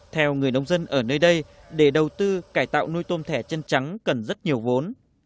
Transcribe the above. theo người nông dân ở nơi đây để đầu tư cải tạo nuôi tôm thẻ chân trắng cần rất nhiều vốn